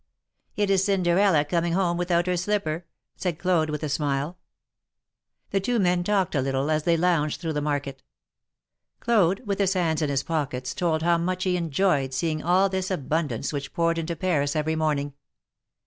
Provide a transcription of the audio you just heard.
" It is Cinderella coming home without her slipper,'' said Claude, with a smile. The two men talked a little as they lounged through the market. Claude, with his hands in his pocket, told how much he enjoyed seeing all this abundance which poured into Paris every morning.